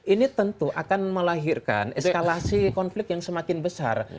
ini tentu akan melahirkan eskalasi konflik yang semakin besar